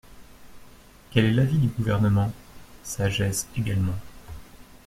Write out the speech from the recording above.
Quel est l’avis du Gouvernement ? Sagesse également.